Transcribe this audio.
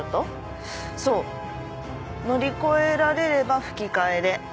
そう乗り越えられれば吹き替えで。